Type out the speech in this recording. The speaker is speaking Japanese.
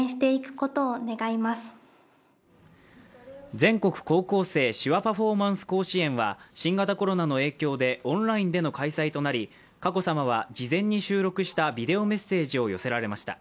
全国高校生手話パフォーマンス甲子園は、新型コロナの影響でオンラインでの開催となり、佳子さまは事前に収録したビデオメッセージを寄せられました。